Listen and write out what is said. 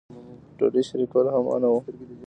ډوډۍ شریکول هم منع وو.